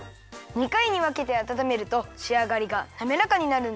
２かいにわけてあたためるとしあがりがなめらかになるんだよ。